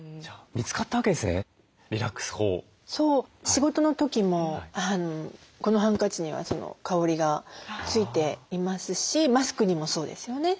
仕事の時もこのハンカチには香りが付いていますしマスクにもそうですよね。